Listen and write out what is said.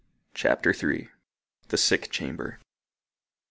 CHAPTER III. THE SICK CHAMBER.